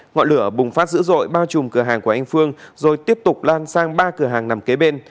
ngọn lửa bùng phát dữ dội bao trùm cửa hàng của anh phương rồi tiếp tục lan sang ba cửa hàng nằm kế bên